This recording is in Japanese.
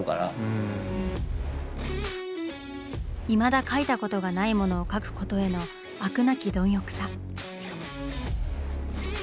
いまだ描いたことがないものを描くことへの飽くなき貪欲さ。